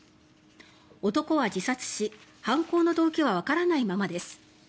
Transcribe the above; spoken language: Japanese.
男は自殺し、犯行の動機はわからないままです。